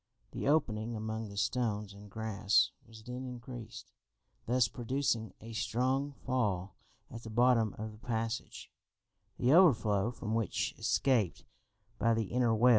The opening among the stones and grass was then increased, thus producing a strong fall at the bottom of the passage, the overflow from which escaped by the inner well.